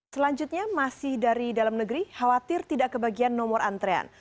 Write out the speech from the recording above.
selanjutnya masih dari dalam negeri khawatir tidak kebagian nomor antrean